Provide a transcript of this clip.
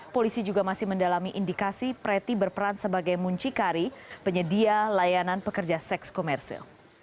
polisi juga masih mendalami indikasi preti berperan sebagai muncikari penyedia layanan pekerja seks komersil